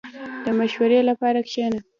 • د مشورې لپاره کښېنه.